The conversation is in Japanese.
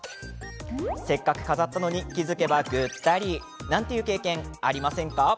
せっかく飾ったのに気付けば、ぐったりなんていう経験ありませんか？